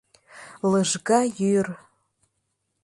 Лыжга йӱр!